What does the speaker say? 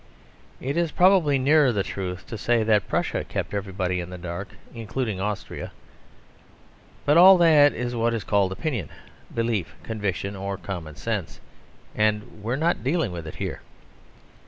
It is probably nearer the truth to say that Prussia kept everybody in the dark, including Austria. But all that is what is called opinion, belief, conviction or common sense, and we are not dealing with it here.